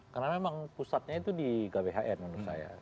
karena memang pusatnya itu di gabhn menurut saya